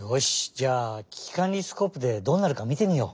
じゃあききかんりスコープでどうなるかみてみよう！